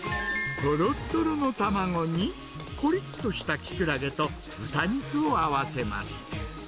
とろっとろの卵に、こりっとしたきくらげと豚肉を合わせます。